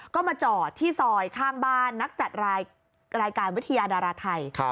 ก็มาจอดที่ซอยข้างบ้านนักจัดรายการวิทยาดาราไทย